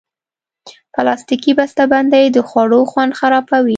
پلاستيکي بستهبندۍ د خوړو خوند خرابوي.